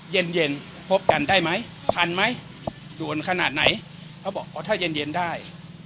เย็นเย็นพบกันได้ไหมทันไหมด่วนขนาดไหนเขาบอกอ๋อถ้าเย็นเย็นได้